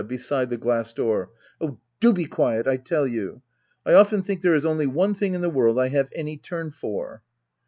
S Beside the glass door,] Oh, be quiet, I tell you ! often think there is only one thing in the world I have any turn for.